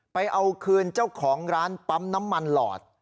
ไปเอาคืนเจ้าของร้านปั๊มน้ำมันหลอด